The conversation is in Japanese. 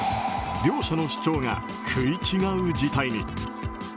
両者の主張が食い違う事態に。